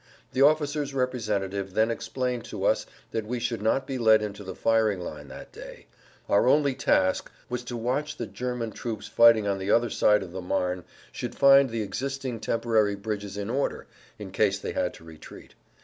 The officer's representative then explained to us that we should not be led into the firing line that day; our only task was to watch that German troops fighting on the other side of the Marne should find the existing temporary bridges in order in case they had to retreat.